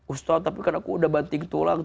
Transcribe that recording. ustaz tapi kan aku udah banting tulang